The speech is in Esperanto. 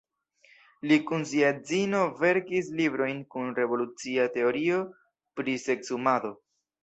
Li kun sia edzino verkis librojn kun revolucia teorio pri seksumado.